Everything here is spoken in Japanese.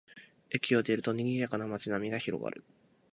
駅を出ると、にぎやかな街並みが広がる